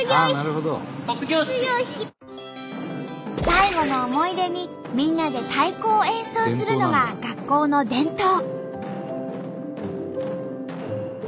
最後の思い出にみんなで太鼓を演奏するのが学校の伝統。